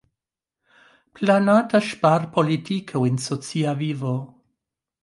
Planata ŝparpolitiko en socia vivo.